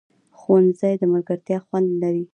ښوونځی د ملګرتیا خوند لري